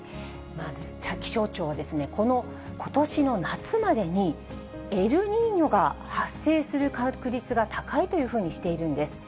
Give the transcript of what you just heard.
気象庁はこのことしの夏までに、エルニーニョが発生する確率が高いというふうにしているんです。